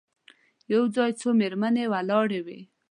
یو ځای څو مېرمنې ولاړې وې.